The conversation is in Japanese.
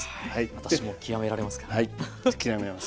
私も極められますか？